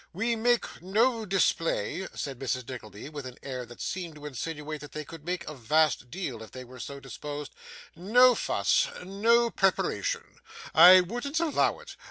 We make no display,' said Mrs Nickleby, with an air which seemed to insinuate that they could make a vast deal if they were so disposed; 'no fuss, no preparation; I wouldn't allow it.